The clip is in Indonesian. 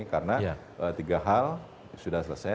karena tiga hal sudah selesai